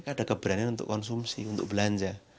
ada keberanian untuk konsumsi untuk belanja